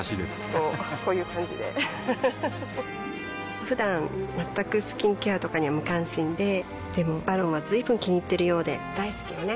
こうこういう感じでうふふふだん全くスキンケアとかに無関心ででも「ＶＡＲＯＮ」は随分気にいっているようで大好きよね